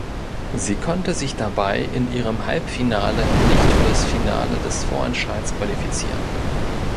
Sie konnte sich dabei in ihrem Halbfinale nicht für das Finale des Vorentscheids qualifizieren.